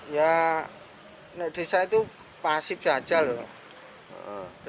ya desa itu pasif saja loh